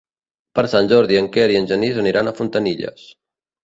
Per Sant Jordi en Quer i en Genís aniran a Fontanilles.